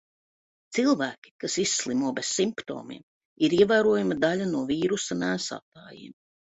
Cilvēki, kas izslimo bez simptomiem, ir ievērojama daļa no vīrusa nēsātājiem.